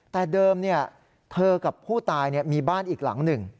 แต่เดิมเธอกับผู้ตายมีบ้านอีกหลังหนึ่ง